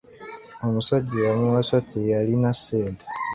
Omusajja eyamuwasa teyalina ssente.